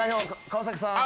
川崎さん。